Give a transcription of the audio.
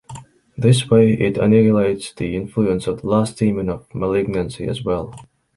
This way it annihilates the influence of the last demon of malignancy as well.